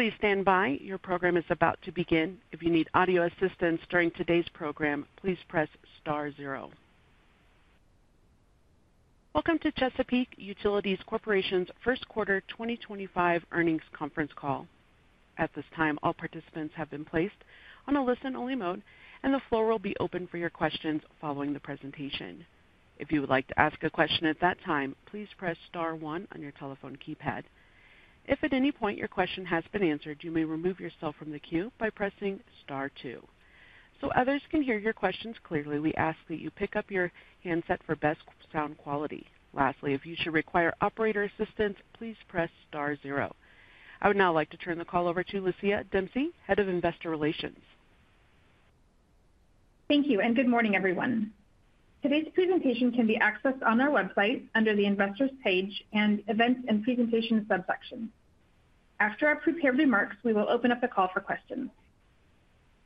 Please stand by. Your program is about to begin. If you need audio assistance during today's program, please press star zero. Welcome to Chesapeake Utilities Corporation's first quarter 2025 earnings conference call. At this time, all participants have been placed on a listen-only mode, and the floor will be open for your questions following the presentation. If you would like to ask a question at that time, please press star one on your telephone keypad. If at any point your question has been answered, you may remove yourself from the queue by pressing star two. So others can hear your questions clearly, we ask that you pick up your handset for best sound quality. Lastly, if you should require operator assistance, please press star zero. I would now like to turn the call over to Lucia Dempsey, Head of Investor Relations. Thank you, and good morning, everyone. Today's presentation can be accessed on our website under the investors page and events and presentation subsection. After our prepared remarks, we will open up the call for questions.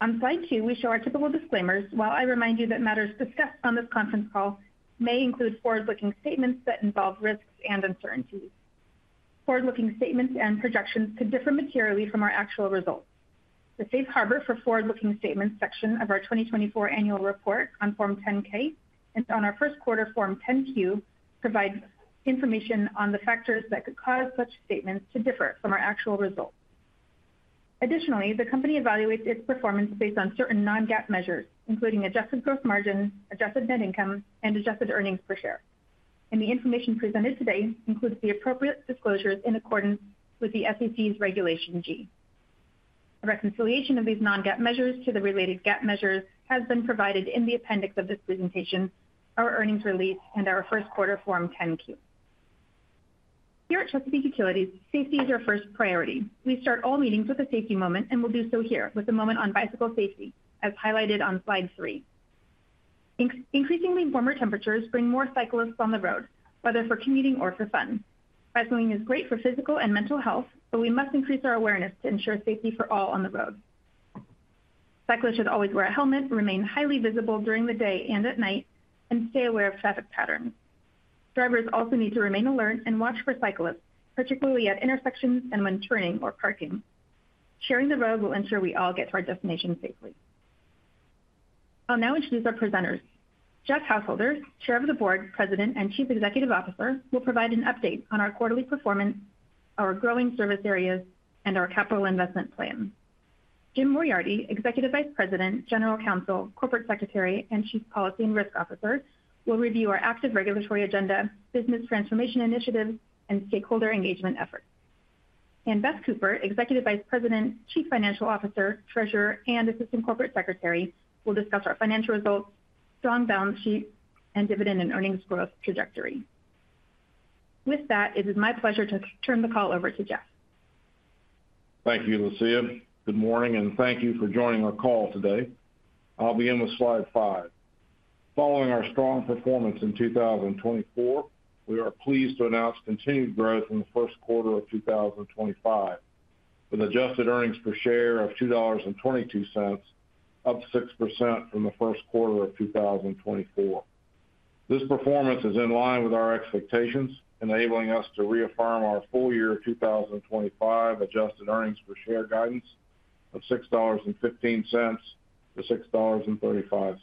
On slide two, we show our typical disclaimers while I remind you that matters discussed on this conference call may include forward-looking statements that involve risks and uncertainties. Forward-looking statements and projections could differ materially from our actual results. The safe harbor for forward-looking statements section of our 2024 annual report on Form 10-K and on our first quarter Form 10-Q provides information on the factors that could cause such statements to differ from our actual results. Additionally, the company evaluates its performance based on certain non-GAAP measures, including adjusted gross margins, adjusted net income, and adjusted earnings per share. The information presented today includes the appropriate disclosures in accordance with the SEC's regulation G. A reconciliation of these non-GAAP measures to the related GAAP measures has been provided in the appendix of this presentation, our earnings release, and our first quarter Form 10-Q. Here at Chesapeake Utilities, safety is our first priority. We start all meetings with a safety moment, and we'll do so here with a moment on bicycle safety, as highlighted on slide three. Increasingly, warmer temperatures bring more cyclists on the road, whether for commuting or for fun. Bicycling is great for physical and mental health, but we must increase our awareness to ensure safety for all on the road. Cyclists should always wear a helmet, remain highly visible during the day and at night, and stay aware of traffic patterns. Drivers also need to remain alert and watch for cyclists, particularly at intersections and when turning or parking. Sharing the road will ensure we all get to our destination safely. I'll now introduce our presenters. Jeff Householder, Chair of the Board, President, and Chief Executive Officer, will provide an update on our quarterly performance, our growing service areas, and our capital investment plan. Jim Moriarty, Executive Vice President, General Counsel, Corporate Secretary, and Chief Policy and Risk Officer, will review our active regulatory agenda, business transformation initiatives, and stakeholder engagement efforts. Beth Cooper, Executive Vice President, Chief Financial Officer, Treasurer, and Assistant Corporate Secretary, will discuss our financial results, strong balance sheet, and dividend and earnings growth trajectory. With that, it is my pleasure to turn the call over to Jeff. Thank you, Lucia. Good morning, and thank you for joining our call today. I'll begin with slide five. Following our strong performance in 2024, we are pleased to announce continued growth in the first quarter of 2025, with adjusted earnings per share of $2.22, up 6% from the first quarter of 2024. This performance is in line with our expectations, enabling us to reaffirm our full year 2025 adjusted earnings per share guidance of $6.15-$6.35.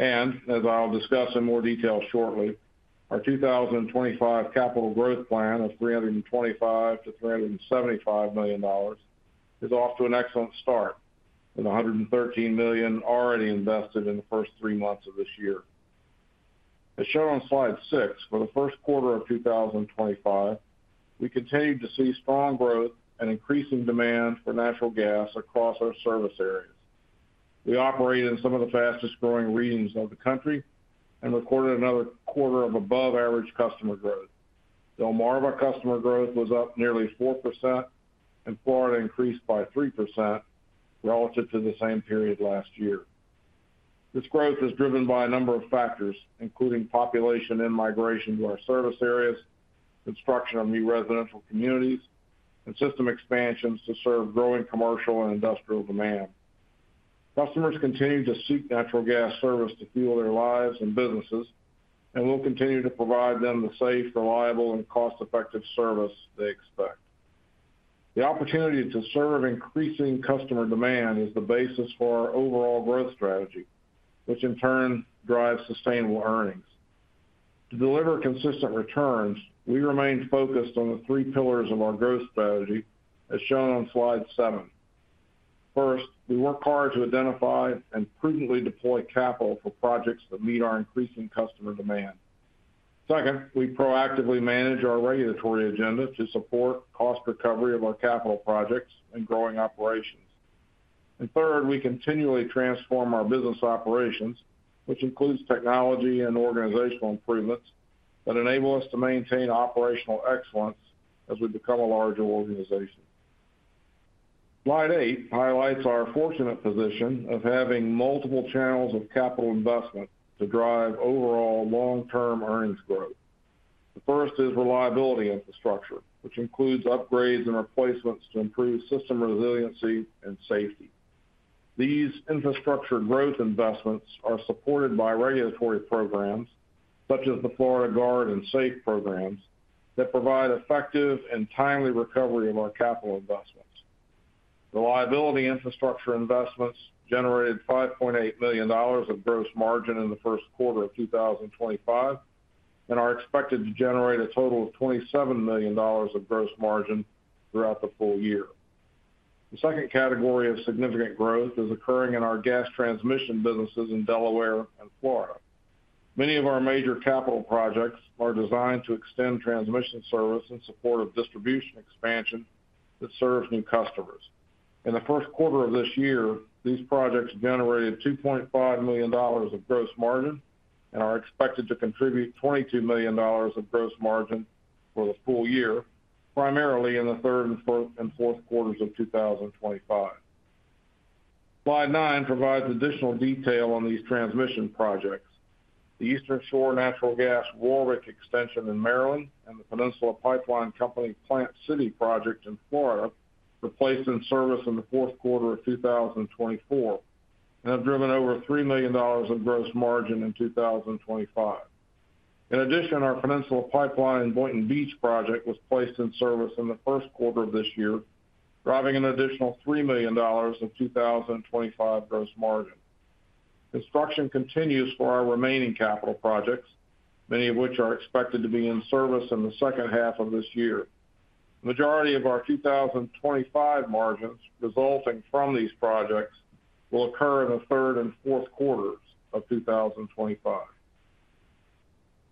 As I'll discuss in more detail shortly, our 2025 capital growth plan of $325-$375 million is off to an excellent start with $113 million already invested in the first three months of this year. As shown on slide six, for the first quarter of 2025, we continued to see strong growth and increasing demand for natural gas across our service areas. We operate in some of the fastest growing regions of the country and recorded another quarter of above-average customer growth. Delmarva customer growth was up nearly 4%, and Florida increased by 3% relative to the same period last year. This growth is driven by a number of factors, including population and migration to our service areas, construction of new residential communities, and system expansions to serve growing commercial and industrial demand. Customers continue to seek natural gas service to fuel their lives and businesses and will continue to provide them the safe, reliable, and cost-effective service they expect. The opportunity to serve increasing customer demand is the basis for our overall growth strategy, which in turn drives sustainable earnings. To deliver consistent returns, we remain focused on the three pillars of our growth strategy, as shown on slide seven. First, we work hard to identify and prudently deploy capital for projects that meet our increasing customer demand. Second, we proactively manage our regulatory agenda to support cost recovery of our capital projects and growing operations. Third, we continually transform our business operations, which includes technology and organizational improvements that enable us to maintain operational excellence as we become a larger organization. Slide eight highlights our fortunate position of having multiple channels of capital investment to drive overall long-term earnings growth. The first is reliability infrastructure, which includes upgrades and replacements to improve system resiliency and safety. These infrastructure growth investments are supported by regulatory programs such as the Florida Guard and SAFE programs that provide effective and timely recovery of our capital investments. Reliability infrastructure investments generated $5.8 million of gross margin in the first quarter of 2025 and are expected to generate a total of $27 million of gross margin throughout the full year. The second category of significant growth is occurring in our gas transmission businesses in Delaware and Florida. Many of our major capital projects are designed to extend transmission service in support of distribution expansion that serves new customers. In the first quarter of this year, these projects generated $2.5 million of gross margin and are expected to contribute $22 million of gross margin for the full year, primarily in the third and fourth quarters of 2025. Slide nine provides additional detail on these transmission projects. The Eastern Shore Natural Gas Warwick Extension in Maryland and the Peninsula Pipeline Company Plant City project in Florida were placed in service in the fourth quarter of 2024 and have driven over $3 million of gross margin in 2025. In addition, our Peninsula Pipeline in Boynton Beach project was placed in service in the first quarter of this year, driving an additional $3 million of 2025 gross margin. Construction continues for our remaining capital projects, many of which are expected to be in service in the second half of this year. The majority of our 2025 margins resulting from these projects will occur in the third and fourth quarters of 2025.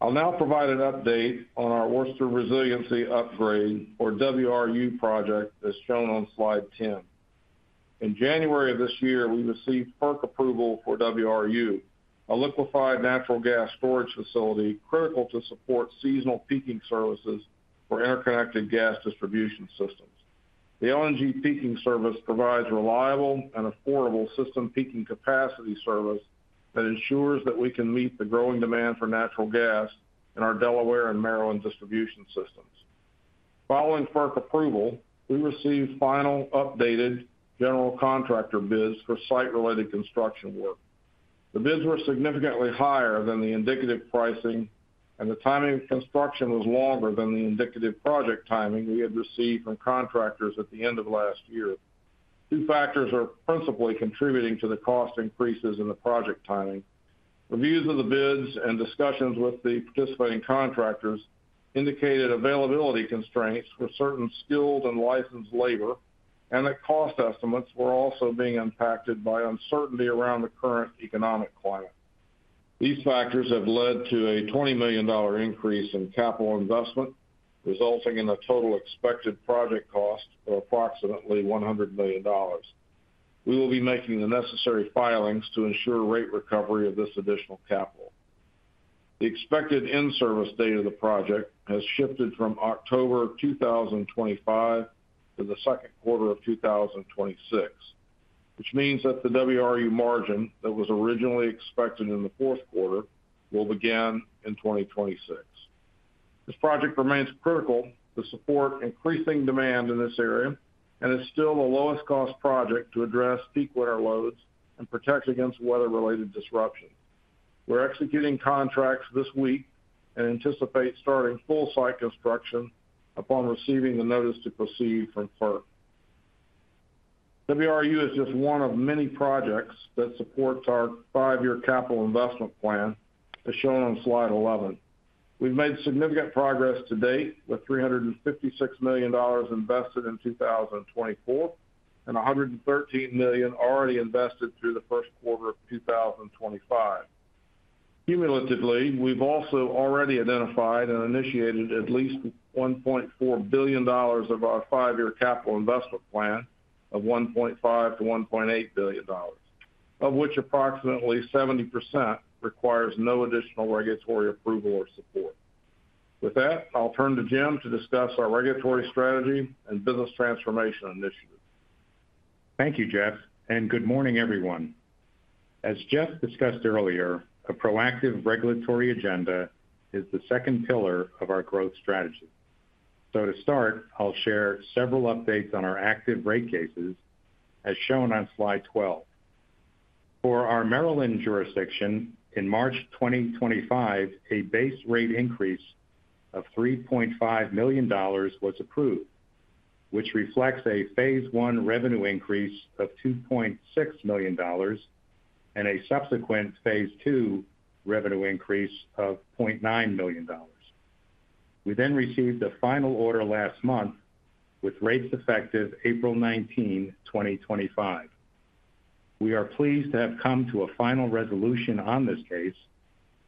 I'll now provide an update on our Worcester Resiliency Upgrade, or WRU, project as shown on slide 10. In January of this year, we received FERC approval for WRU, a liquefied natural gas storage facility critical to support seasonal peaking services for interconnected gas distribution systems. The LNG peaking service provides reliable and affordable system peaking capacity service that ensures that we can meet the growing demand for natural gas in our Delaware and Maryland distribution systems. Following FERC approval, we received final updated general contractor bids for site-related construction work. The bids were significantly higher than the indicative pricing, and the timing of construction was longer than the indicative project timing we had received from contractors at the end of last year. Two factors are principally contributing to the cost increases in the project timing. Reviews of the bids and discussions with the participating contractors indicated availability constraints for certain skilled and licensed labor, and the cost estimates were also being impacted by uncertainty around the current economic climate. These factors have led to a $20 million increase in capital investment, resulting in a total expected project cost of approximately $100 million. We will be making the necessary filings to ensure rate recovery of this additional capital. The expected in-service date of the project has shifted from October 2025 to the second quarter of 2026, which means that the WRU margin that was originally expected in the fourth quarter will begin in 2026. This project remains critical to support increasing demand in this area and is still the lowest-cost project to address peak weather loads and protect against weather-related disruption. We're executing contracts this week and anticipate starting full-site construction upon receiving the notice to proceed from FERC. WRU is just one of many projects that supports our five-year capital investment plan, as shown on slide 11. We've made significant progress to date with $356 million invested in 2024 and $113 million already invested through the first quarter of 2025. Cumulatively, we've also already identified and initiated at least $1.4 billion of our five-year capital investment plan of $1.5 billion-$1.8 billion, of which approximately 70% requires no additional regulatory approval or support. With that, I'll turn to Jim to discuss our regulatory strategy and business transformation initiative. Thank you, Jeff, and good morning, everyone. As Jeff discussed earlier, a proactive regulatory agenda is the second pillar of our growth strategy. To start, I'll share several updates on our active rate cases, as shown on slide 12. For our Maryland jurisdiction, in March 2025, a base rate increase of $3.5 million was approved, which reflects a phase one revenue increase of $2.6 million and a subsequent phase two revenue increase of $0.9 million. We then received a final order last month with rates effective April 19, 2025. We are pleased to have come to a final resolution on this case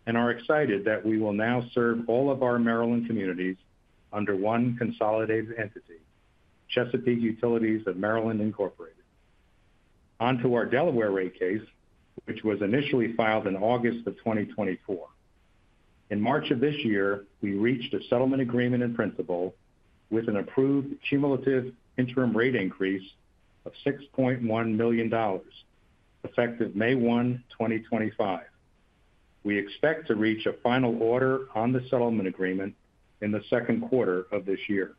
and are excited that we will now serve all of our Maryland communities under one consolidated entity, Chesapeake Utilities of Maryland. On to our Delaware rate case, which was initially filed in August of 2024. In March of this year, we reached a settlement agreement in principle with an approved cumulative interim rate increase of $6.1 million effective May 1, 2025. We expect to reach a final order on the settlement agreement in the second quarter of this year.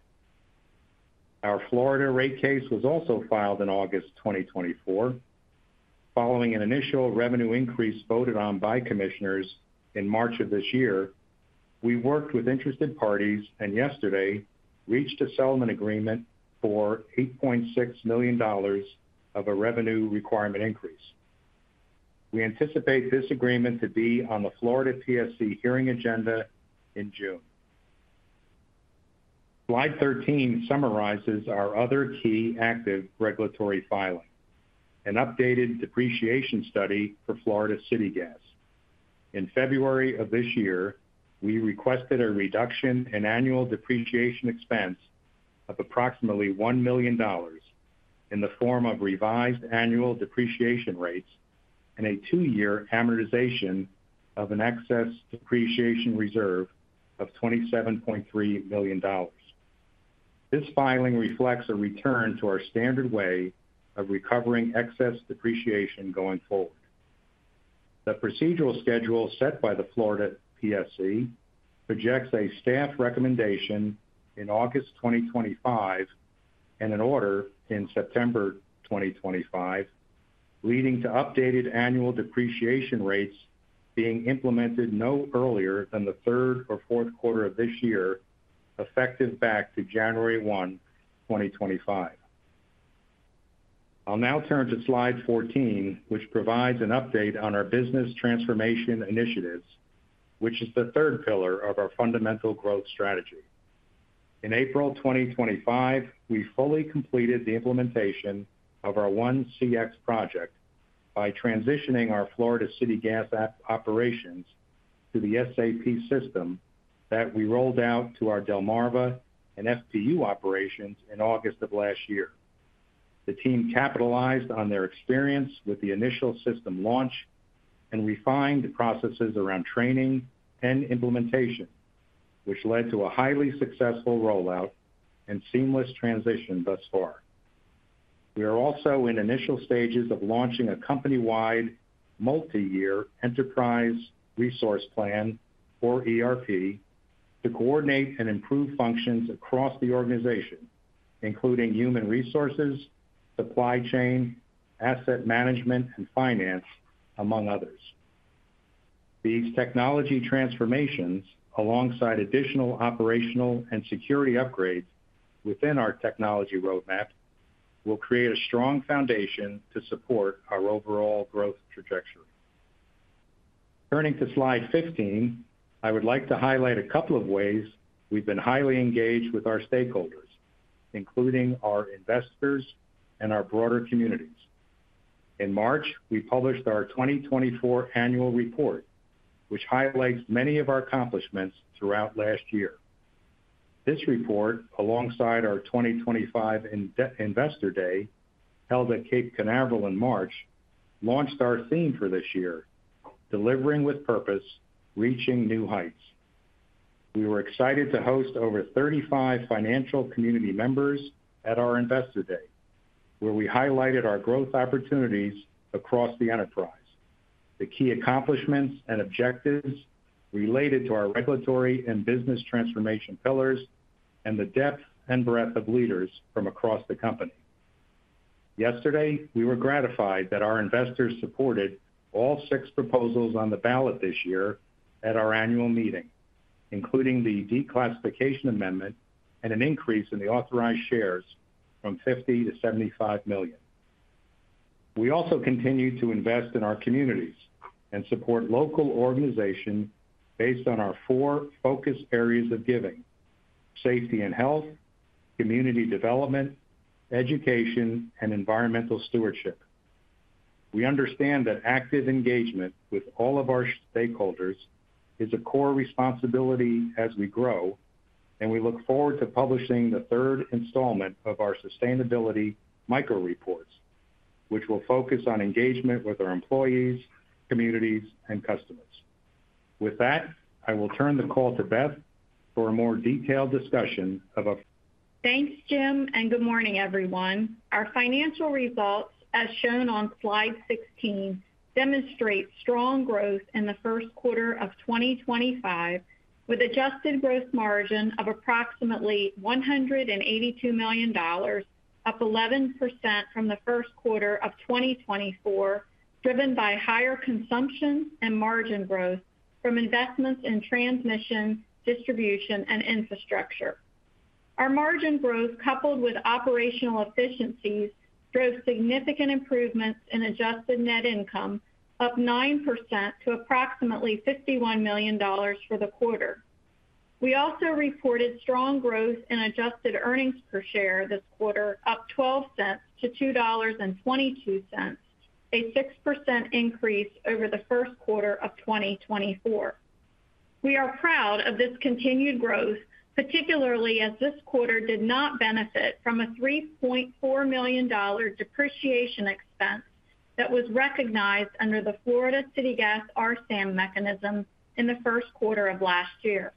Our Florida rate case was also filed in August 2024. Following an initial revenue increase voted on by commissioners in March of this year, we worked with interested parties and yesterday reached a settlement agreement for $8.6 million of a revenue requirement increase. We anticipate this agreement to be on the Florida PSC hearing agenda in June. Slide 13 summarizes our other key active regulatory filing: an updated depreciation study for Florida City Gas. In February of this year, we requested a reduction in annual depreciation expense of approximately $1 million in the form of revised annual depreciation rates and a two-year amortization of an excess depreciation reserve of $27.3 million. This filing reflects a return to our standard way of recovering excess depreciation going forward. The procedural schedule set by the Florida PSC projects a staff recommendation in August 2025 and an order in September 2025, leading to updated annual depreciation rates being implemented no earlier than the third or fourth quarter of this year, effective back to January 1, 2025. I'll now turn to slide 14, which provides an update on our business transformation initiatives, which is the third pillar of our fundamental growth strategy. In April 2025, we fully completed the implementation of our one CX project by transitioning our Florida City Gas operations to the SAP system that we rolled out to our Delmarva and FTU operations in August of last year. The team capitalized on their experience with the initial system launch and refined processes around training and implementation, which led to a highly successful rollout and seamless transition thus far. We are also in initial stages of launching a company-wide multi-year enterprise resource plan, or ERP, to coordinate and improve functions across the organization, including human resources, supply chain, asset management, and finance, among others. These technology transformations, alongside additional operational and security upgrades within our technology roadmap, will create a strong foundation to support our overall growth trajectory. Turning to slide 15, I would like to highlight a couple of ways we've been highly engaged with our stakeholders, including our investors and our broader communities. In March, we published our 2024 annual report, which highlights many of our accomplishments throughout last year. This report, alongside our 2025 Investor Day held at Cape Canaveral in March, launched our theme for this year, "Delivering with Purpose: Reaching New Heights." We were excited to host over 35 financial community members at our Investor Day, where we highlighted our growth opportunities across the enterprise, the key accomplishments and objectives related to our regulatory and business transformation pillars, and the depth and breadth of leaders from across the company. Yesterday, we were gratified that our investors supported all six proposals on the ballot this year at our annual meeting, including the declassification amendment and an increase in the authorized shares from $50 million to $75 million. We also continue to invest in our communities and support local organizations based on our four focus areas of giving: safety and health, community development, education, and environmental stewardship. We understand that active engagement with all of our stakeholders is a core responsibility as we grow, and we look forward to publishing the third installment of our sustainability micro-reports, which will focus on engagement with our employees, communities, and customers. With that, I will turn the call to Beth for a more detailed discussion of. Thanks, Jim, and good morning, everyone. Our financial results, as shown on slide 16, demonstrate strong growth in the first quarter of 2025, with adjusted gross margin of approximately $182 million, up 11% from the first quarter of 2024, driven by higher consumption and margin growth from investments in transmission, distribution, and infrastructure. Our margin growth, coupled with operational efficiencies, drove significant improvements in adjusted net income, up 9% to approximately $51 million for the quarter. We also reported strong growth in adjusted earnings per share this quarter, up $0.12 to $2.22, a 6% increase over the first quarter of 2024. We are proud of this continued growth, particularly as this quarter did not benefit from a $3.4 million depreciation expense that was recognized under the Florida City Gas RSAM mechanism in the first quarter of last year.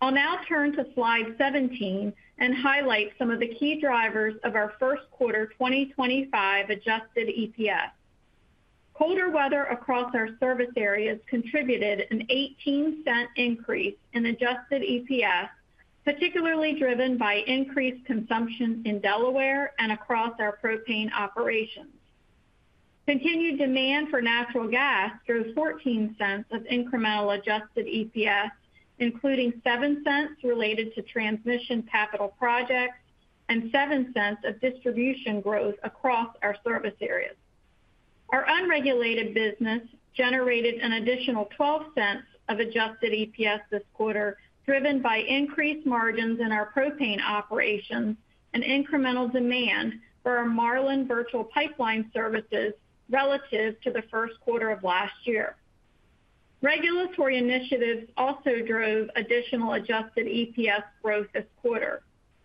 I'll now turn to slide 17 and highlight some of the key drivers of our first quarter 2025 adjusted EPS. Colder weather across our service areas contributed an $0.18 increase in adjusted EPS, particularly driven by increased consumption in Delaware and across our propane operations. Continued demand for natural gas drove $0.14 of incremental adjusted EPS, including $0.07 related to transmission capital projects and $0.07 of distribution growth across our service areas. Our unregulated business generated an additional $0.12 of adjusted EPS this quarter, driven by increased margins in our propane operations and incremental demand for our Marlin virtual pipeline services relative to the first quarter of last year. Regulatory initiatives also drove additional adjusted EPS growth this quarter.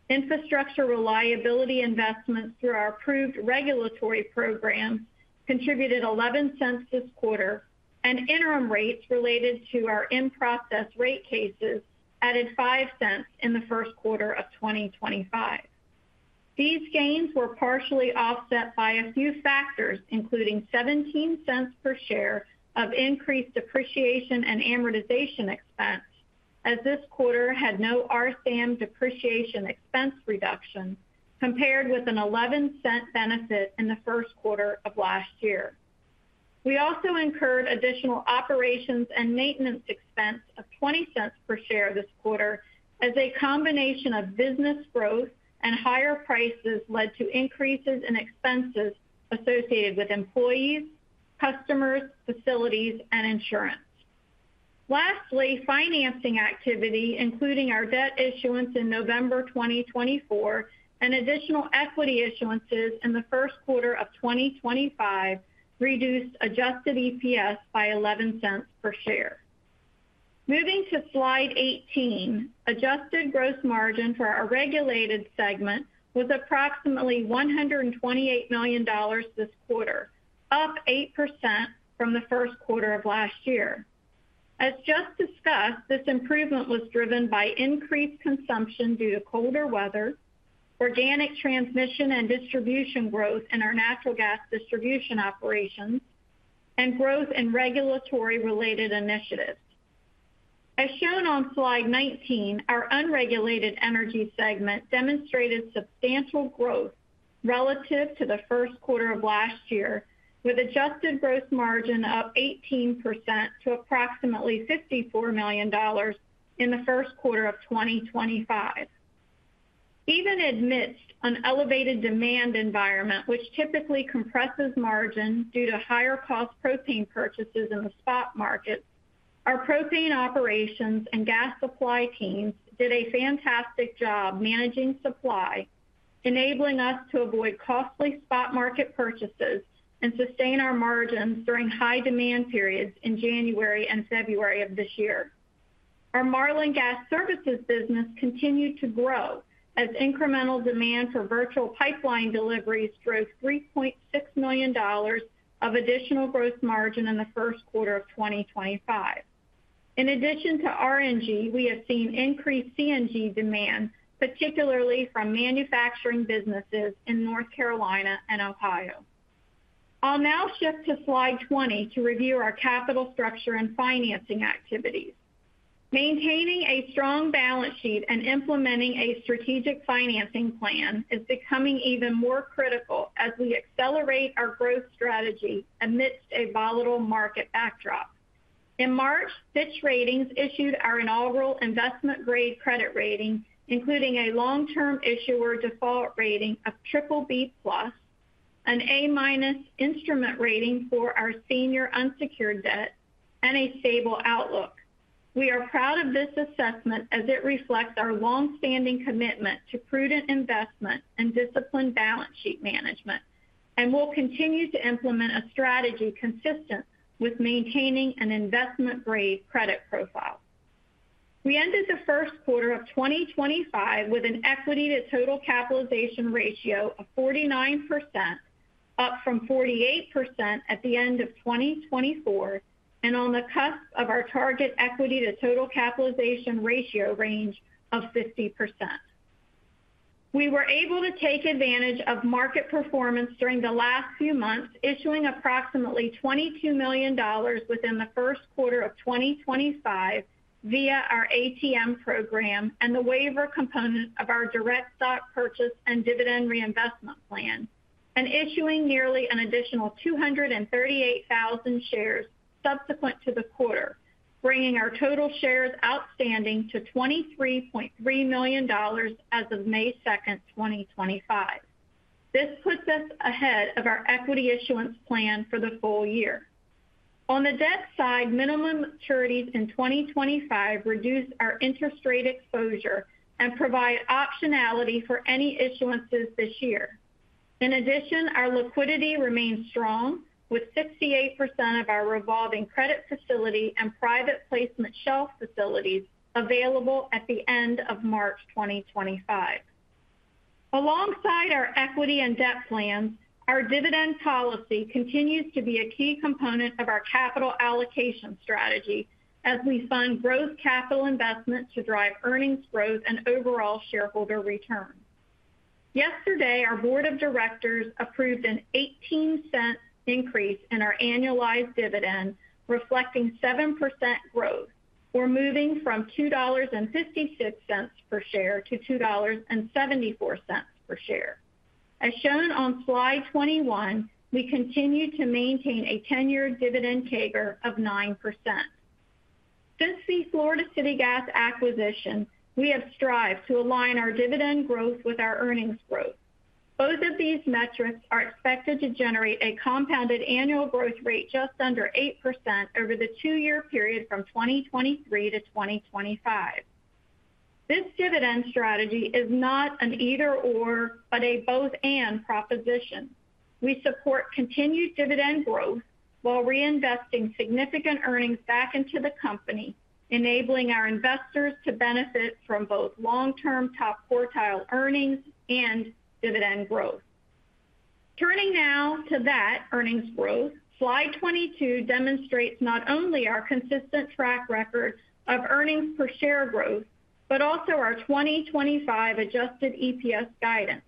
Infrastructure reliability investments through our approved regulatory programs contributed $0.11 this quarter, and interim rates related to our in-process rate cases added $0.05 in the first quarter of 2025. These gains were partially offset by a few factors, including $0.17 per share of increased depreciation and amortization expense, as this quarter had no RSAM depreciation expense reduction, compared with an $0.11 benefit in the first quarter of last year. We also incurred additional operations and maintenance expense of $0.20 per share this quarter, as a combination of business growth and higher prices led to increases in expenses associated with employees, customers, facilities, and insurance. Lastly, financing activity, including our debt issuance in November 2024 and additional equity issuances in the first quarter of 2025, reduced adjusted EPS by $0.11 per share. Moving to slide 18, adjusted gross margin for our regulated segment was approximately $128 million this quarter, up 8% from the first quarter of last year. As just discussed, this improvement was driven by increased consumption due to colder weather, organic transmission and distribution growth in our natural gas distribution operations, and growth in regulatory-related initiatives. As shown on slide 19, our unregulated energy segment demonstrated substantial growth relative to the first quarter of last year, with adjusted gross margin up 18% to approximately $54 million in the first quarter of 2025. Even amidst an elevated demand environment, which typically compresses margin due to higher-cost propane purchases in the spot market, our propane operations and gas supply teams did a fantastic job managing supply, enabling us to avoid costly spot market purchases and sustain our margins during high demand periods in January and February of this year. Our Marlin Gas Services business continued to grow as incremental demand for virtual pipeline deliveries drove $3.6 million of additional gross margin in the first quarter of 2025. In addition to R&G, we have seen increased C&G demand, particularly from manufacturing businesses in North Carolina and Ohio. I'll now shift to slide 20 to review our capital structure and financing activities. Maintaining a strong balance sheet and implementing a strategic financing plan is becoming even more critical as we accelerate our growth strategy amidst a volatile market backdrop. In March, Fitch Ratings issued our inaugural investment-grade credit rating, including a long-term issuer default rating of BBB plus, an A-minus instrument rating for our senior unsecured debt, and a stable outlook. We are proud of this assessment as it reflects our long-standing commitment to prudent investment and disciplined balance sheet management, and we'll continue to implement a strategy consistent with maintaining an investment-grade credit profile. We ended the first quarter of 2025 with an equity-to-total capitalization ratio of 49%, up from 48% at the end of 2024, and on the cusp of our target equity-to-total capitalization ratio range of 50%. We were able to take advantage of market performance during the last few months, issuing approximately $22 million within the first quarter of 2025 via our ATM program and the waiver component of our direct stock purchase and dividend reinvestment plan, and issuing nearly an additional 238,000 shares subsequent to the quarter, bringing our total shares outstanding to 23.3 million as of May 2, 2025. This puts us ahead of our equity issuance plan for the full year. On the debt side, minimum maturities in 2025 reduce our interest rate exposure and provide optionality for any issuances this year. In addition, our liquidity remains strong, with 68% of our revolving credit facility and private placement shelf facilities available at the end of March 2025. Alongside our equity and debt plans, our dividend policy continues to be a key component of our capital allocation strategy as we fund growth capital investment to drive earnings growth and overall shareholder return. Yesterday, our board of directors approved an $0.18 increase in our annualized dividend, reflecting 7% growth. We're moving from $2.56 per share to $2.74 per share. As shown on slide 21, we continue to maintain a 10-year dividend CAGR of 9%. Since the Florida City Gas acquisition, we have strived to align our dividend growth with our earnings growth. Both of these metrics are expected to generate a compounded annual growth rate just under 8% over the two-year period from 2023 to 2025. This dividend strategy is not an either/or, but a both/and proposition. We support continued dividend growth while reinvesting significant earnings back into the company, enabling our investors to benefit from both long-term top quartile earnings and dividend growth. Turning now to that earnings growth, slide 22 demonstrates not only our consistent track record of earnings per share growth, but also our 2025 adjusted EPS guidance,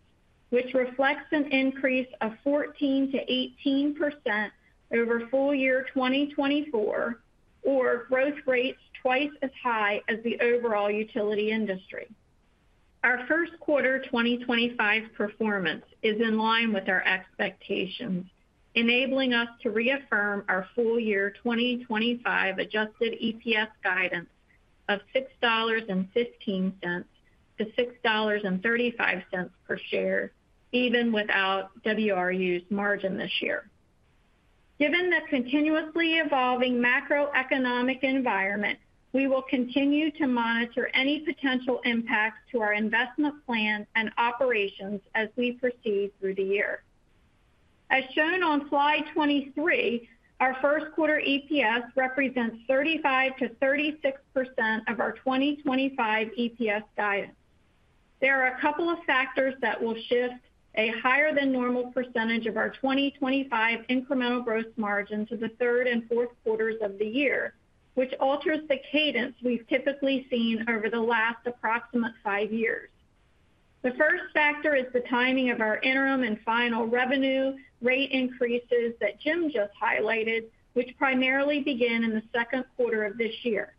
which reflects an increase of 14%-18% over full year 2024, or growth rates twice as high as the overall utility industry. Our first quarter 2025 performance is in line with our expectations, enabling us to reaffirm our full year 2025 adjusted EPS guidance of $6.15-$6.35 per share, even without WRU's margin this year. Given the continuously evolving macroeconomic environment, we will continue to monitor any potential impacts to our investment plans and operations as we proceed through the year. As shown on slide 23, our first quarter EPS represents 35%-36% of our 2025 EPS guidance. There are a couple of factors that will shift a higher-than-normal percentage of our 2025 incremental gross margin to the third and fourth quarters of the year, which alters the cadence we have typically seen over the last approximate five years. The first factor is the timing of our interim and final revenue rate increases that Jim just highlighted, which primarily begin in the second quarter of this year.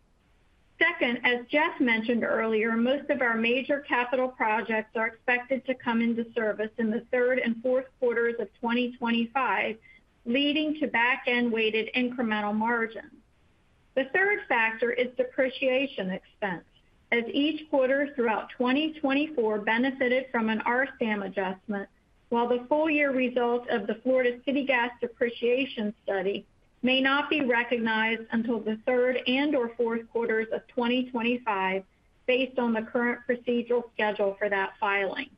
Second, as Jeff mentioned earlier, most of our major capital projects are expected to come into service in the third and fourth quarters of 2025, leading to back-end-weighted incremental margins. The third factor is depreciation expense, as each quarter throughout 2024 benefited from an RSAM adjustment, while the full-year result of the Florida City Gas depreciation study may not be recognized until the third and/or fourth quarters of 2025, based on the current procedural schedule for that filing.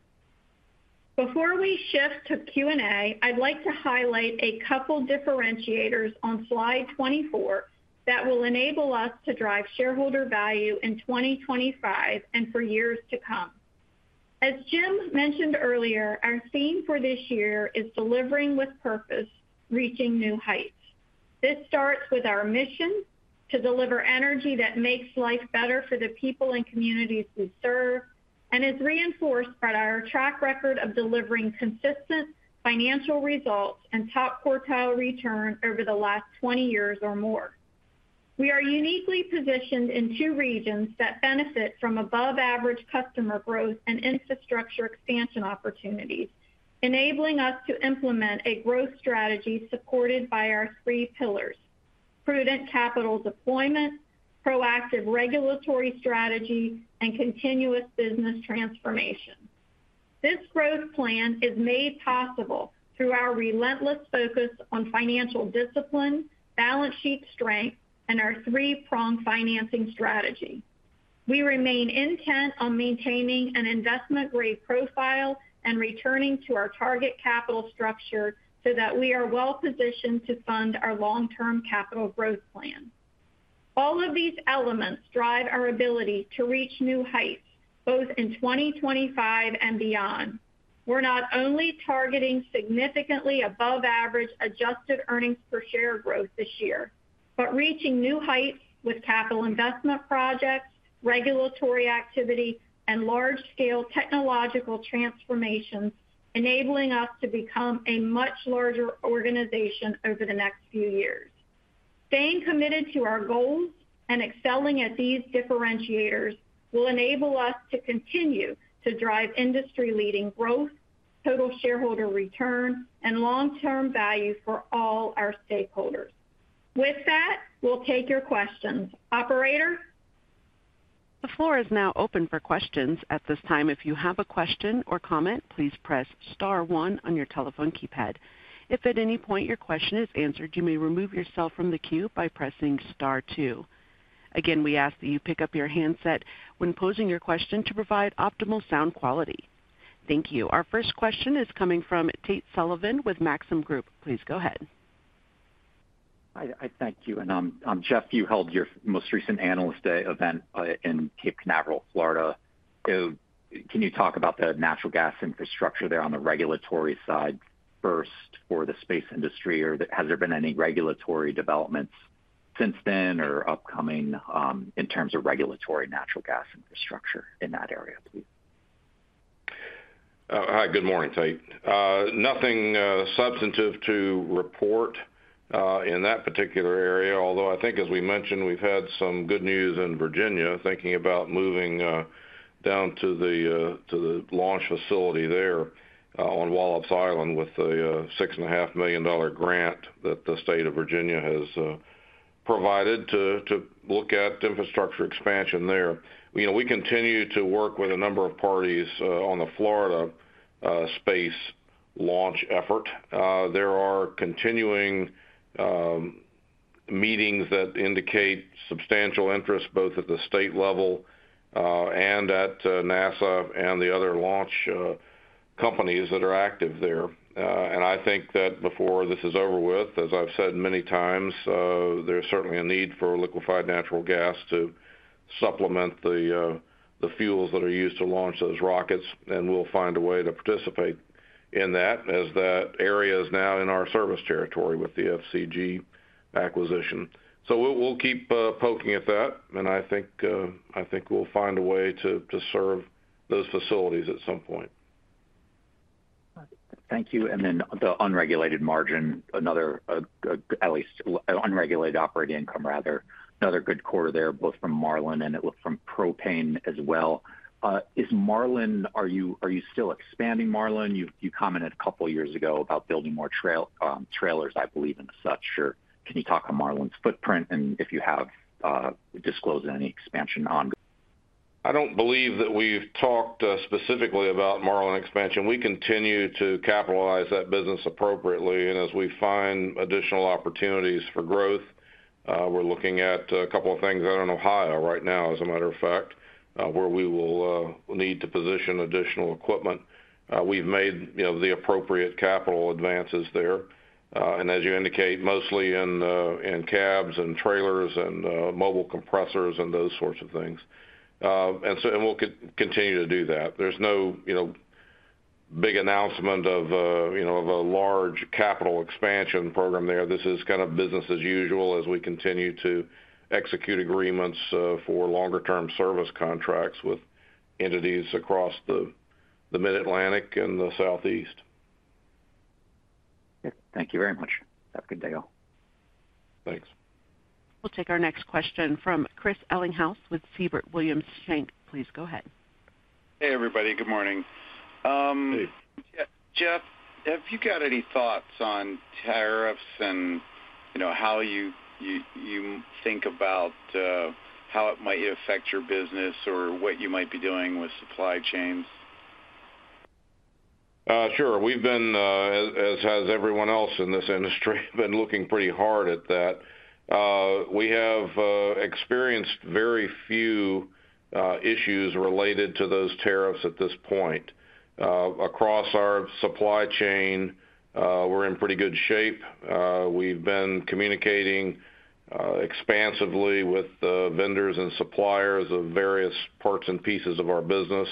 Before we shift to Q&A, I'd like to highlight a couple of differentiators on slide 24 that will enable us to drive shareholder value in 2025 and for years to come. As Jim mentioned earlier, our theme for this year is "Delivering with Purpose: Reaching New Heights." This starts with our mission to deliver energy that makes life better for the people and communities we serve, and is reinforced by our track record of delivering consistent financial results and ttop-quartilereturn over the last 20 years or more. We are uniquely positioned in two regions that benefit from above-average customer growth and infrastructure expansion opportunities, enabling us to implement a growth strategy supported by our three pillars: prudent capital deployment, proactive regulatory strategy, and continuous business transformation. This growth plan is made possible through our relentless focus on financial discipline, balance sheet strength, and our three-pronged financing strategy. We remain intent on maintaining an investment-grade profile and returning to our target capital structure so that we are well-positioned to fund our long-term capital growth plan. All of these elements drive our ability to reach new heights, both in 2025 and beyond. We're not only targeting significantly above-average adjusted earnings per share growth this year, but reaching new heights with capital investment projects, regulatory activity, and large-scale technological transformations, enabling us to become a much larger organization over the next few years. Staying committed to our goals and excelling at these differentiators will enable us to continue to drive industry-leading growth, total shareholder return, and long-term value for all our stakeholders. With that, we'll take your questions. Operator? The floor is now open for questions at this time. If you have a question or comment, please press star 1 on your telephone keypad. If at any point your question is answered, you may remove yourself from the queue by pressing star 2. Again, we ask that you pick up your handset when posing your question to provide optimal sound quality. Thank you. Our first question is coming from Tate Sullivan with Maxim Group. Please go ahead. Hi. Thank you. And I'm Jeff. You held your most recent analyst event in Cape Canaveral, Florida. Can you talk about the natural gas infrastructure there on the regulatory side first for the space industry? Or has there been any regulatory developments since then or upcoming in terms of regulatory natural gas infrastructure in that area, please? Hi. Good morning, Tate. Nothing substantive to report in that particular area, although I think, as we mentioned, we have had some good news in Virginia thinking about moving down to the launch facility there on Wallops Island with a $6.5 million grant that the state of Virginia has provided to look at infrastructure expansion there. We continue to work with a number of parties on the Florida space launch effort. There are continuing meetings that indicate substantial interest both at the state level and at NASA and the other launch companies that are active there. I think that before this is over with, as I have said many times, there is certainly a need for liquefied natural gas to supplement the fuels that are used to launch those rockets. We will find a way to participate in that as that area is now in our service territory with the FCG acquisition. We will keep poking at that. I think we will find a way to serve those facilities at some point. Thank you. The unregulated margin, at least unregulated operating income, rather, another good quarter there, both from Marlin and from Propane as well. Is Marlin, are you still expanding Marlin? You commented a couple of years ago about building more trailers, I believe, and such. Can you talk on Marlin's footprint and if you have disclosed any expansion on? I do not believe that we have talked specifically about Marlin expansion. We continue to capitalize that business appropriately. As we find additional opportunities for growth, we're looking at a couple of things out in Ohio right now, as a matter of fact, where we will need to position additional equipment. We've made the appropriate capital advances there. As you indicate, mostly in cabs and trailers and mobile compressors and those sorts of things. We'll continue to do that. There's no big announcement of a large capital expansion program there. This is kind of business as usual as we continue to execute agreements for longer-term service contracts with entities across the Mid-Atlantic and the Southeast. Thank you very much. Have a good day all. Thanks. We'll take our next question from Chris Ellinghaus with Siebert Williams Shank. Please go ahead. Hey, everybody. Good morning. Jeff, have you got any thoughts on tariffs and how you think about how it might affect your business or what you might be doing with supply chains? Sure. We've been, as has everyone else in this industry, been looking pretty hard at that. We have experienced very few issues related to those tariffs at this point. Across our supply chain, we're in pretty good shape. We've been communicating expansively with vendors and suppliers of various parts and pieces of our business.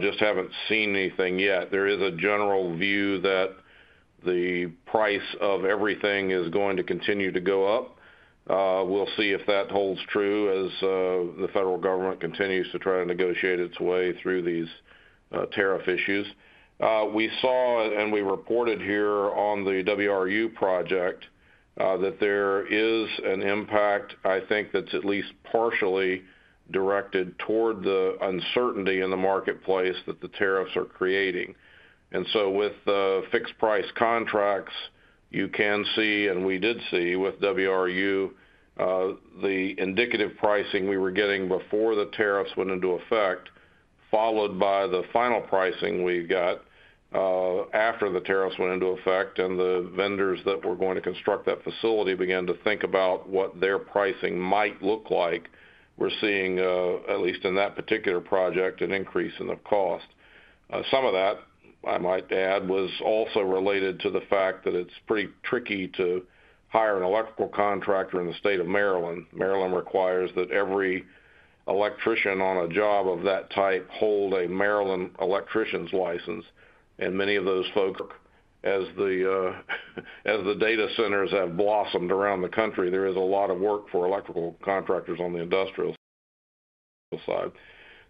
Just haven't seen anything yet. There is a general view that the price of everything is going to continue to go up. We'll see if that holds true as the federal government continues to try to negotiate its way through these tariff issues. We saw and we reported here on the WRU project that there is an impact, I think, that's at least partially directed toward the uncertainty in the marketplace that the tariffs are creating. With fixed-price contracts, you can see, and we did see with WRU, the indicative pricing we were getting before the tariffs went into effect, followed by the final pricing we got after the tariffs went into effect. The vendors that were going to construct that facility began to think about what their pricing might look like. We're seeing, at least in that particular project, an increase in the cost. Some of that, I might add, was also related to the fact that it's pretty tricky to hire an electrical contractor in the state of Maryland. Maryland requires that every electrician on a job of that type hold a Maryland electrician's license. Many of those folks. As the data centers have blossomed around the country, there is a lot of work for electrical contractors on the industrial side.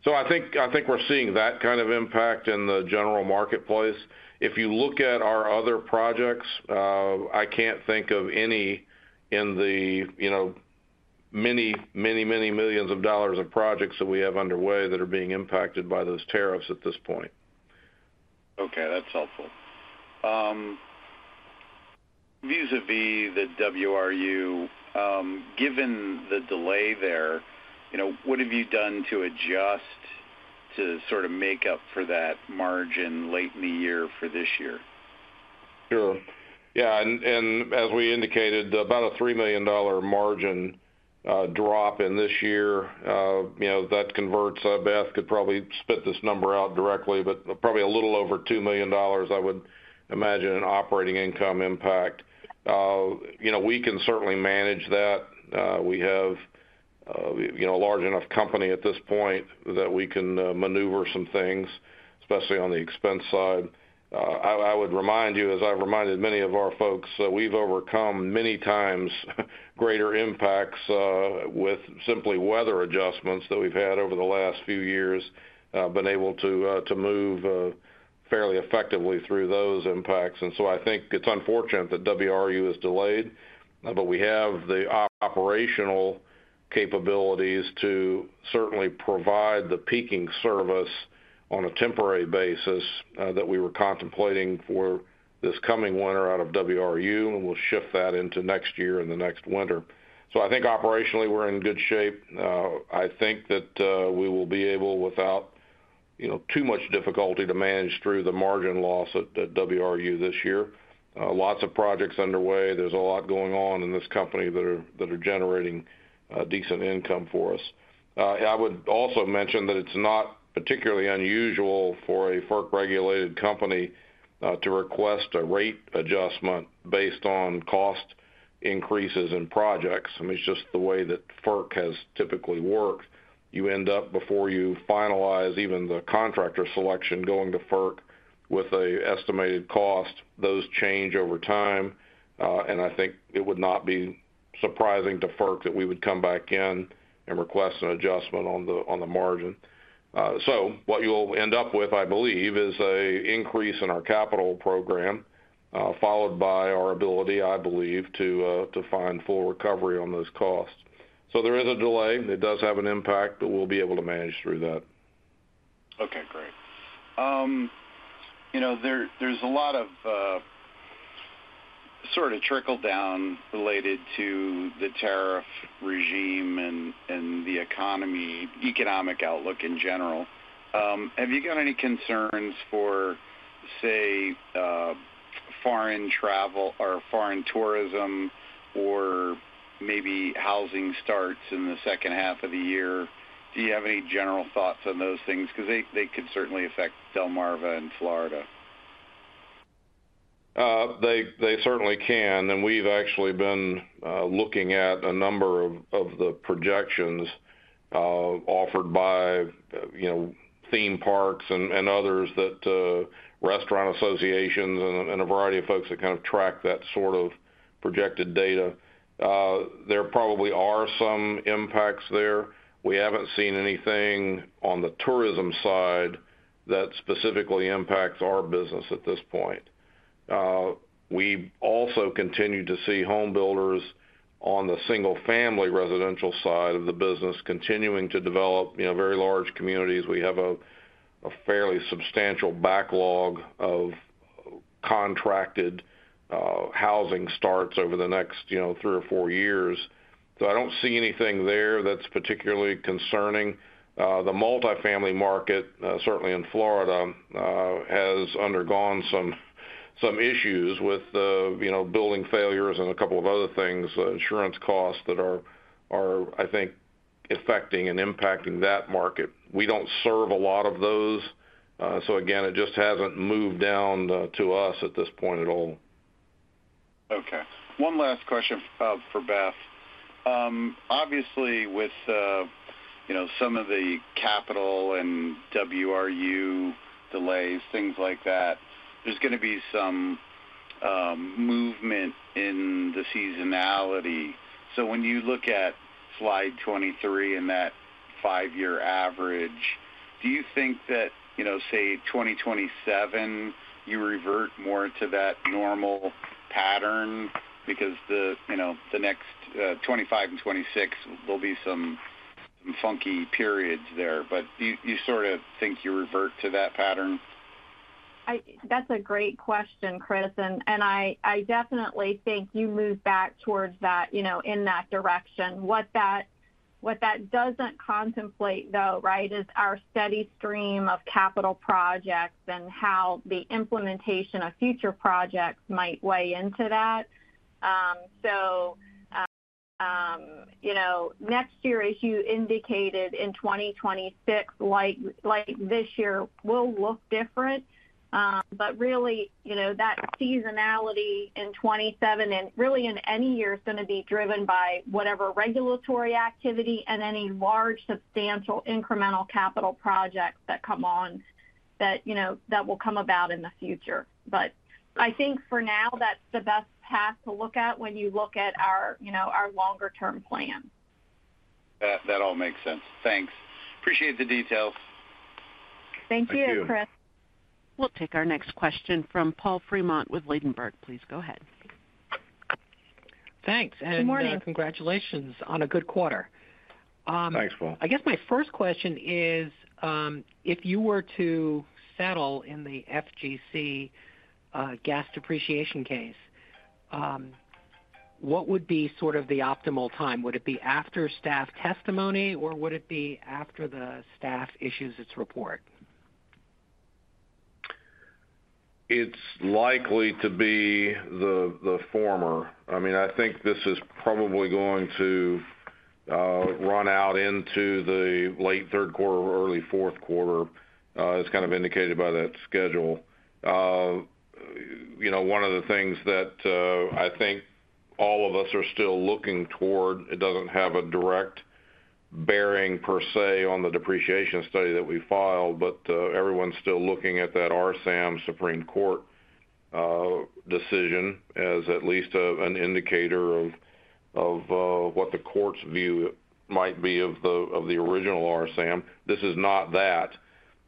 I think we're seeing that kind of impact in the general marketplace. If you look at our other projects, I can't think of any in the many, many, many millions of dollars of projects that we have underway that are being impacted by those tariffs at this point. Okay. That's helpful. Vis-à-vis the WRU, given the delay there, what have you done to adjust to sort of make up for that margin late in the year for this year? Sure. Yeah. As we indicated, about a $3 million margin drop in this year. That converts—Beth could probably spit this number out directly—but probably a little over $2 million, I would imagine, in operating income impact. We can certainly manage that. We have a large enough company at this point that we can maneuver some things, especially on the expense side. I would remind you, as I've reminded many of our folks, we've overcome many times greater impacts with simply weather adjustments that we've had over the last few years, been able to move fairly effectively through those impacts. I think it's unfortunate that WRU has delayed, but we have the operational capabilities to certainly provide the peaking service on a temporary basis that we were contemplating for this coming winter out of WRU, and we'll shift that into next year and the next winter. I think operationally we're in good shape. I think that we will be able, without too much difficulty, to manage through the margin loss at WRU this year. Lots of projects underway. There's a lot going on in this company that are generating decent income for us. I would also mention that it's not particularly unusual for a FERC-regulated company to request a rate adjustment based on cost increases in projects. I mean, it's just the way that FERC has typically worked. You end up, before you finalize even the contractor selection, going to FERC with an estimated cost. Those change over time. I think it would not be surprising to FERC that we would come back in and request an adjustment on the margin. What you'll end up with, I believe, is an increase in our capital program, followed by our ability, I believe, to find full recovery on those costs. There is a delay. It does have an impact, but we'll be able to manage through that. Okay. Great. There's a lot of sort of trickle-down related to the tariff regime and the economic outlook in general. Have you got any concerns for, say, foreign travel or foreign tourism or maybe housing starts in the second half of the year? Do you have any general thoughts on those things? Because they could certainly affect Delmarva and Florida. They certainly can. We have actually been looking at a number of the projections offered by theme parks and others, restaurant associations, and a variety of folks that kind of track that sort of projected data. There probably are some impacts there. We have not seen anything on the tourism side that specifically impacts our business at this point. We also continue to see homebuilders on the single-family residential side of the business continuing to develop very large communities. We have a fairly substantial backlog of contracted housing starts over the next three or four years. I do not see anything there that is particularly concerning. The multifamily market, certainly in Florida, has undergone some issues with building failures and a couple of other things, insurance costs that are, I think, affecting and impacting that market. We do not serve a lot of those. It just has not moved down to us at this point at all. Okay. One last question for Beth. Obviously, with some of the capital and WRU delays, things like that, there is going to be some movement in the seasonality. When you look at slide 23 in that five-year average, do you think that, say, 2027, you revert more to that normal pattern? Because the next 2025 and 2026, there will be some funky periods there. Do you sort of think you revert to that pattern? That's a great question, Chris. I definitely think you move back towards that in that direction. What that does not contemplate, though, right, is our steady stream of capital projects and how the implementation of future projects might weigh into that. Next year, as you indicated, in 2026, like this year, will look different. Really, that seasonality in 2027 and really in any year is going to be driven by whatever regulatory activity and any large, substantial, incremental capital projects that come on that will come about in the future. I think for now, that's the best path to look at when you look at our longer-term plan. That all makes sense. Thanks. Appreciate the details. Thank you, Chris. Thank you. We'll take our next question from Paul Fremont with Ladenburg. Please go ahead. Thanks. Good morning. Good morning. Congratulations on a good quarter. Thanks, Paul. I guess my first question is, if you were to settle in the FGC gas depreciation case, what would be sort of the optimal time? Would it be after staff testimony, or would it be after the staff issues its report? It's likely to be the former. I mean, I think this is probably going to run out into the late third quarter or early fourth quarter, as kind of indicated by that schedule. One of the things that I think all of us are still looking toward—it doesn't have a direct bearing per se on the depreciation study that we filed—but everyone's still looking at that RSAM Supreme Court decision as at least an indicator of what the court's view might be of the original RSAM. This is not that,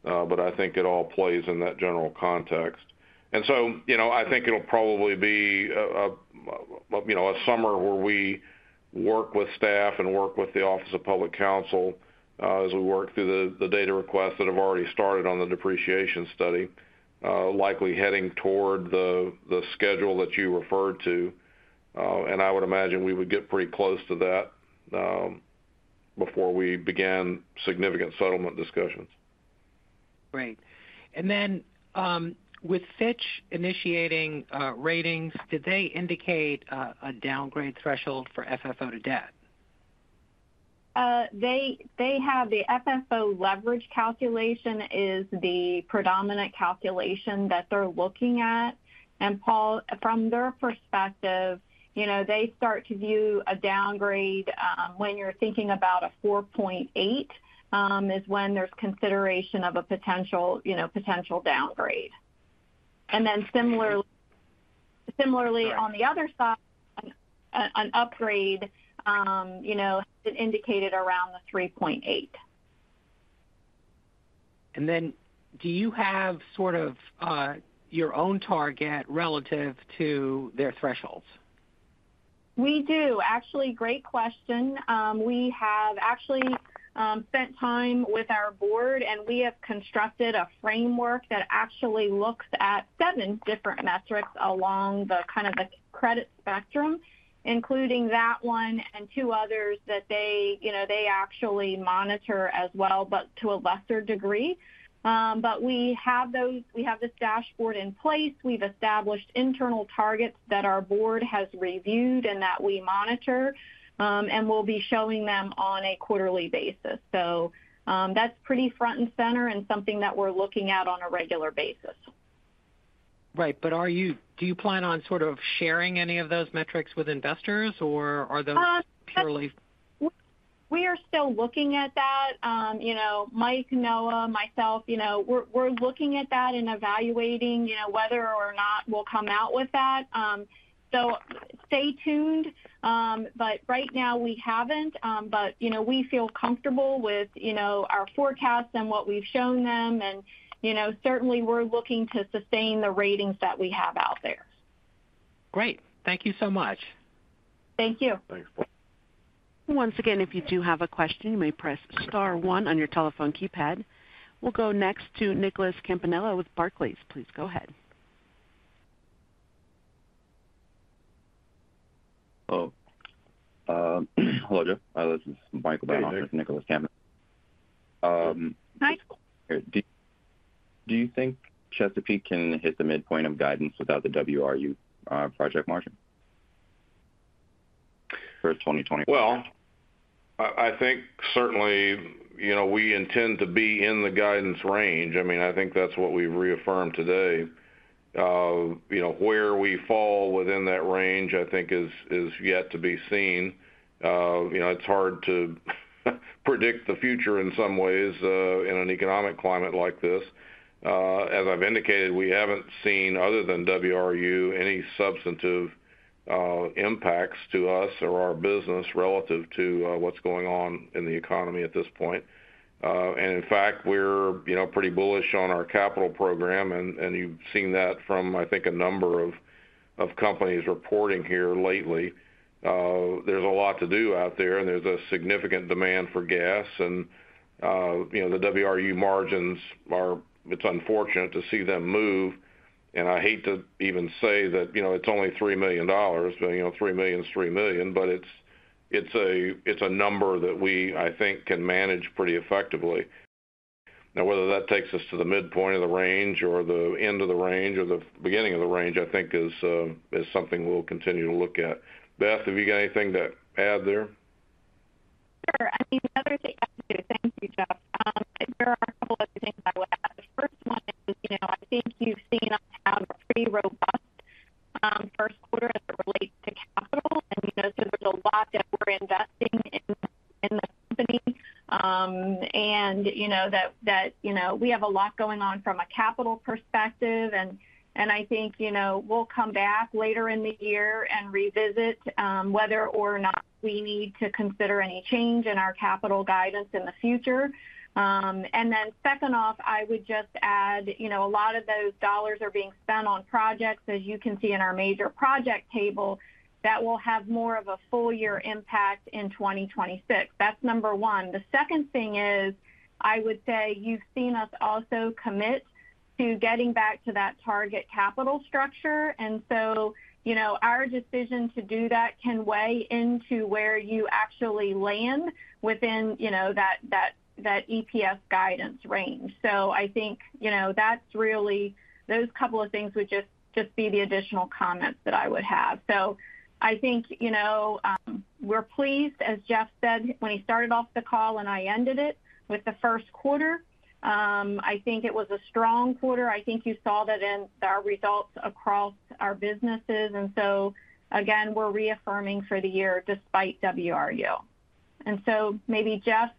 but I think it all plays in that general context. I think it'll probably be a summer where we work with staff and work with the Office of Public Council as we work through the data requests that have already started on the depreciation study, likely heading toward the schedule that you referred to. I would imagine we would get pretty close to that before we begin significant settlement discussions. Great. With Fitch initiating ratings, did they indicate a downgrade threshold for FFO to debt? They have the FFO leverage calculation as the predominant calculation that they're looking at. Paul, from their perspective, they start to view a downgrade when you're thinking about a 4.8 is when there's consideration of a potential downgrade. Similarly, on the other side, an upgrade has been indicated around the 3.8. Do you have sort of your own target relative to their thresholds? We do. Actually, great question. We have actually spent time with our board, and we have constructed a framework that actually looks at seven different metrics along kind of the credit spectrum, including that one and two others that they actually monitor as well, but to a lesser degree. We have this dashboard in place. We have established internal targets that our board has reviewed and that we monitor, and we will be showing them on a quarterly basis. That is pretty front and center and something that we are looking at on a regular basis. Right. Do you plan on sort of sharing any of those metrics with investors, or are those purely? We are still looking at that. Mike, Noah, myself, we are looking at that and evaluating whether or not we will come out with that. Stay tuned. Right now, we have not. We feel comfortable with our forecasts and what we have shown them. Certainly, we are looking to sustain the ratings that we have out there. Great. Thank you so much. Thank you. Thanks, Paul. Once again, if you do have a question, you may press star one on your telephone keypad. We will go next to Nicholas Campanella with Barclays. Please go ahead. Hello. Hello, Jeff. This is Michael Baron for Nicholas Campanella. Hi. Do you think Chesapeake can hit the midpoint of guidance without the WRU project margin for 2020? I think certainly we intend to be in the guidance range. I mean, I think that is what we have reaffirmed today. Where we fall within that range, I think, is yet to be seen. It is hard to predict the future in some ways in an economic climate like this. As I've indicated, we haven't seen, other than WRU, any substantive impacts to us or our business relative to what's going on in the economy at this point. In fact, we're pretty bullish on our capital program. You've seen that from, I think, a number of companies reporting here lately. There's a lot to do out there, and there's a significant demand for gas. The WRU margins, it's unfortunate to see them move. I hate to even say that it's only $3 million. $3 million is $3 million, but it's a number that we, I think, can manage pretty effectively. Now, whether that takes us to the midpoint of the range or the end of the range or the beginning of the range, I think, is something we'll continue to look at. Beth, have you got anything to add there? Sure. I mean, another thing I would do—thank you, Jeff—there are a couple of other things I would add. The first one is I think you've seen us have a pretty robust first quarter as it relates to capital. There is a lot that we're investing in the company. We have a lot going on from a capital perspective. I think we'll come back later in the year and revisit whether or not we need to consider any change in our capital guidance in the future. Second, I would just add a lot of those dollars are being spent on projects. As you can see in our major project table, that will have more of a full-year impact in 2026. That's number one. The second thing is, I would say you've seen us also commit to getting back to that target capital structure. Our decision to do that can weigh into where you actually land within that EPS guidance range. I think those couple of things would just be the additional comments that I would have. I think we're pleased, as Jeff said when he started off the call and I ended it with the first quarter. I think it was a strong quarter. I think you saw that in our results across our businesses. Again, we're reaffirming for the year despite WRU. Maybe, Jeff,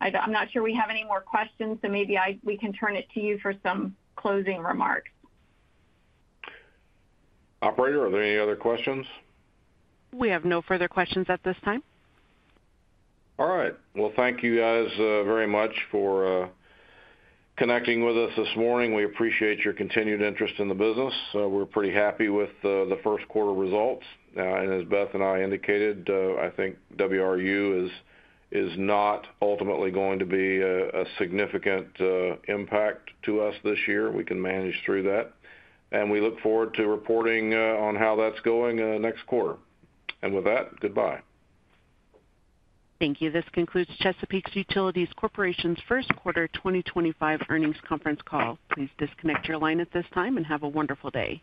I'm not sure we have any more questions, so maybe we can turn it to you for some closing remarks. Operator, are there any other questions? We have no further questions at this time. Thank you guys very much for connecting with us this morning. We appreciate your continued interest in the business. We're pretty happy with the first quarter results. As Beth and I indicated, I think WRU is not ultimately going to be a significant impact to us this year. We can manage through that. We look forward to reporting on how that's going next quarter. With that, goodbye. Thank you. This concludes Chesapeake Utilities Corporation's first quarter 2025 earnings conference call. Please disconnect your line at this time and have a wonderful day.